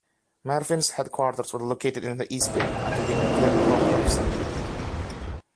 Mervyn's headquarters were located in the East Bay until they declared bankruptcy.